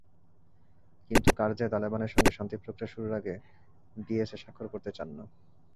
কিন্তু কারজাই তালেবানের সঙ্গে শান্তিপ্রক্রিয়া শুরুর আগে বিএসএ স্বাক্ষর করতে চান না।